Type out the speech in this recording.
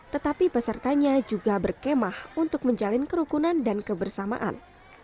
tetapi pesertanya juga berkemah untuk menjalin kerukunan dan kebersamaan